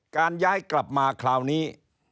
การย้ายกลับมาคราวนี้